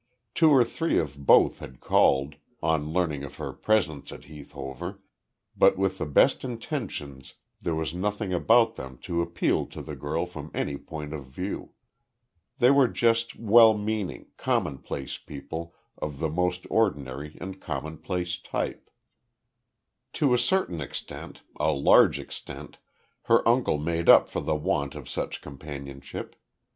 Two or three of both had called, on learning of her presence at Heath Hover, but with the best intentions there was nothing about them to appeal to the girl from any point of view. They were just well meaning, commonplace people of the most ordinary and commonplace type. To a certain extent a large extent her uncle made up for the want of such companionship.